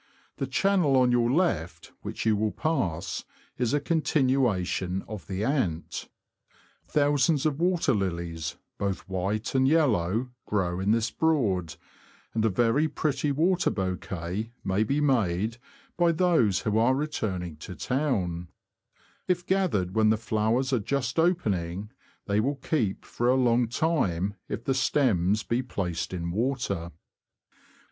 The channel on your left, which you will pass, is a con tinuation of the Ant. Thousands of water lilies, both white and yellow, grow in this Broad, and a very pretty water bouquet may be made by those who are returning to town ; if gathered when the flowers are just opening, they will keep for a long time if the stems be placed in water.